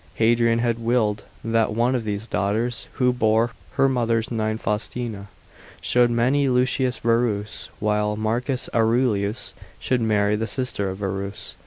Hadrian had willed that one of these daughters, who bore her mother's n>nne Faustina, should many Lucius Verus, while Marcus Aurelius should marry the sister of Verus.